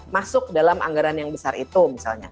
masuk dalam anggaran yang besar itu misalnya